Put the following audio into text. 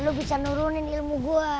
lu bisa nurunin ilmu gua